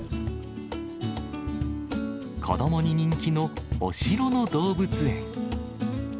子どもに人気のお城の動物園。